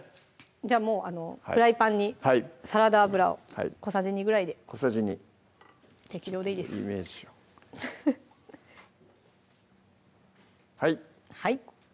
もうフライパンにサラダ油を小さじ２ぐらいで小さじ２適量でいいですイメージをはい！